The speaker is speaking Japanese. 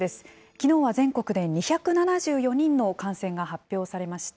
きのうは全国で２７４人の感染が発表されました。